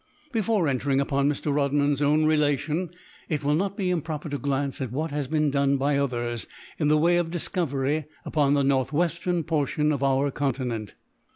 Before entering upon Mr. Rodman's own relation, it will not be improper to glance at what has been done by others, in the way of discovery, upon the North Western portion of our continent.